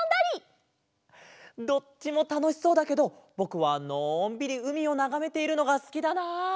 どっちもたのしそうだけどぼくはのんびりうみをながめているのがすきだな。